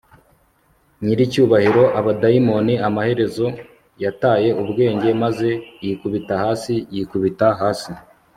nyiricyubahiro abadayimoni amaherezo yataye ubwenge maze yikubita hasi yikubita hasi